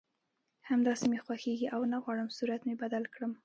همداسې مې خوښېږي او نه غواړم صورت مې بدل کړم